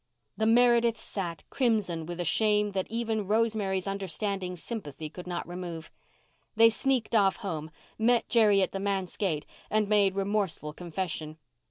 The Merediths sat, crimson with a shame that even Rosemary's understanding sympathy could not remove. They sneaked off home, met Jerry at the manse gate and made remorseful confession.